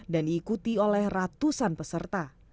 dan diikuti oleh ratusan peserta